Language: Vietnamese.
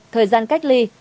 hai thời gian cách ly